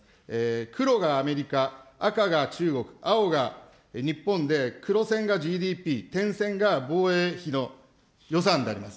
黒がアメリカ、赤が中国、青が日本で、黒線がＧＤＰ、点線が防衛費の予算であります。